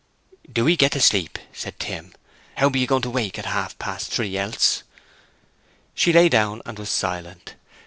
"Do 'ee get to sleep," said Tim. "How be you going to wake at half past three else?" She lay down and was silent.